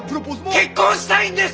結婚したいんです！